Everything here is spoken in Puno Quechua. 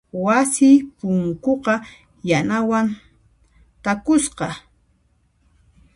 Wasi punkuqa yanawan takusqa.